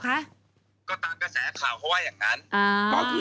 ก็ตามกระแสข่าวเพราะว่าอย่างนั้น